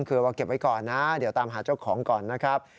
คือว่าเก็บไว้ก่อนนะเดี๋ยวตามหาเจ้าของก่อนนะครับ